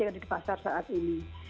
yang ada di pasar saat ini